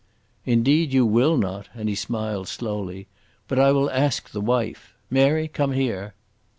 "Indeed you will not," and he smiled slowly. "But I will ask the wife. Mary, come here!"